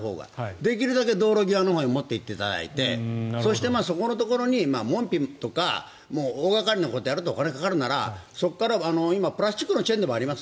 できるだけ道路際に持っていっていただいてそしてそこのところに門扉とか大掛かりなことをやるとお金がかかるならそこから今、プラスチックのチェーンでもあります。